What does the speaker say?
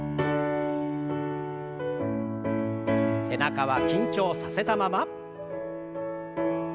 背中は緊張させたまま。